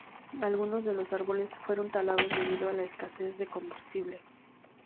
Algunos de los árboles fueron talados debido a la escasez de combustible.